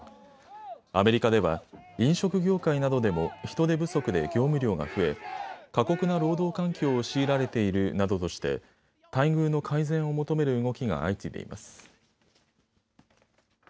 アメリカでは飲食業界などでも人手不足で業務量が増え過酷な労働環境を強いられているなどとして待遇の改善を求める動きが相次いでいます。